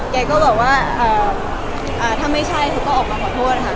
แกก็บอกว่าถ้าไม่ใช่เขาก็ออกมาขอโทษค่ะ